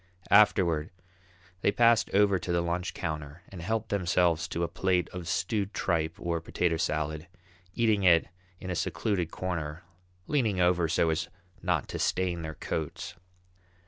Afterward they passed over to the lunch counter and helped themselves to a plate of stewed tripe or potato salad, eating it in a secluded corner, leaning over so as not to stain their coats.